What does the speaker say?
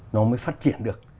nó mới phát triển được